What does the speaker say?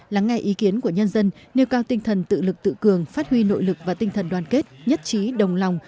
lắng nghe ý kiến của nhân dân nêu cao tinh thần tự lực tự cường phát huy nội lực và tinh thần đoàn kết nhất trí đồng lòng